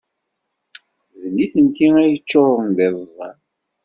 D nitenti ay yeččuṛen d iẓẓan.